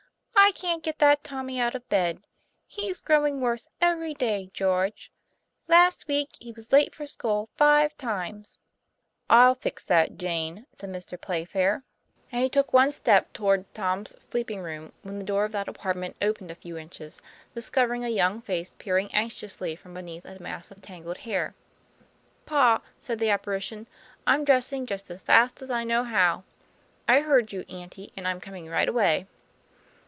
'* I can't get that Tommy out of bed. He's grow ing worse every day, George. Last week he was late for school five times." "I'll fix that, Jane," said Mr. Playfair. And he took one step toward Tom's sleeping room, when the door of that apartment opened a few inches, dis covering a young face peering anxiously from beneath a mass of tangled hair. *Pa," said the apparition, "I'm dressing just as fast as I know how. I heard you, auntie, and I'm coming right away."